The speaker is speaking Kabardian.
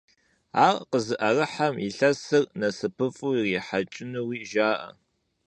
Ар къызыӀэрыхьэм илъэсыр насыпыфӀэу ирихьэкӀынуи жаӀэ.